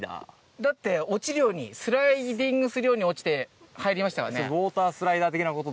だって落ちるようにスライディングするように落ちて入りましたからね。